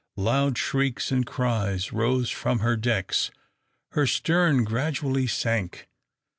Loud shrieks and cries rose from her decks. Her stern gradually sank.